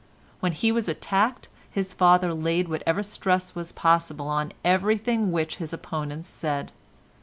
When he was attacked his father laid whatever stress was possible on everything which his opponents said.